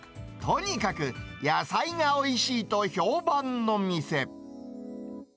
とにかく野菜がおいしいと評判の店。